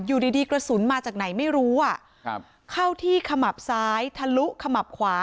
อยู่ดีดีกระสุนมาจากไหนไม่รู้อ่ะครับเข้าที่ขมับซ้ายทะลุขมับขวา